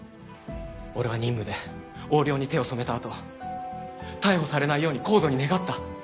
俺は任務で横領に手を染めた後逮捕されないようにＣＯＤＥに願った。